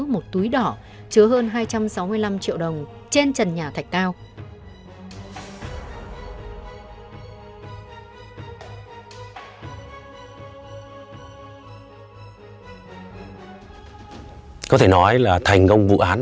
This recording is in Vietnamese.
một túi đỏ